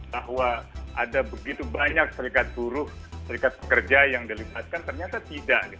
bahwa ada begitu banyak serikat buruh serikat pekerja yang dilibatkan ternyata tidak